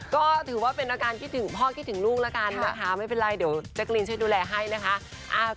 ก็ถือว่าเป็นอาการคิดถึงพ่อกิดถึงลูกไม่เป็นไรเจ็กลินช่วยดูแลให้นะคะ